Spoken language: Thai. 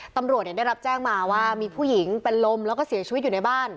ตำรวจได้รับแจ้งมาว่ามีผู้หญิงเป็นลมแล้วก็เสียชีวิตอยู่ในบ้าน